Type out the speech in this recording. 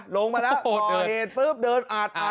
ลงมาแล้วโอเดี๋ยวปลื้มเดินอาดมา